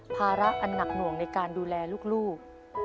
ภาระอันหนักหน่วงในการดูแลลูก